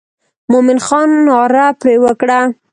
مومن خان ناره پر وکړه.